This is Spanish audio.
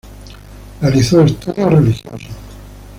Realizó estudios religiosos.